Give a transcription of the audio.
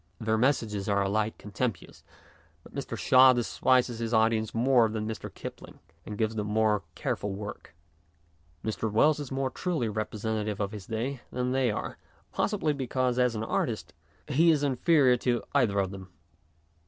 Their messages are alike contemptuous ; but Mr. Shaw despises his audience more than Mr. Kipling, and gives them more careful work. Mr. Wells is more truly representative of his day than they arc, possibly because, as an artist, he is inferior to either of them.